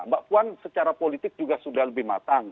mbak puan secara politik juga sudah lebih matang